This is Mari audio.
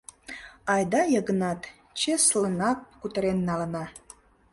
— Айда, Йыгнат, чеслынак кутырен налына.